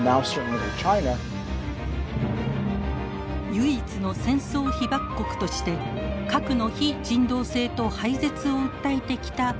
唯一の戦争被爆国として核の非人道性と廃絶を訴えてきた日本。